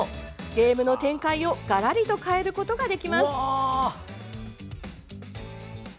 ゲームの展開をがらりと変えることができます。